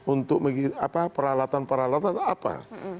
untuk peralatan peralatan apa